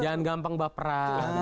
jangan gampang baperan